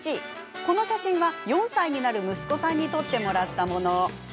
この写真は４歳になる息子さんに撮ってもらったもの。